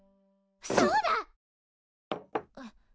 そうだ！